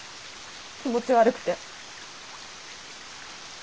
気持ち悪くて。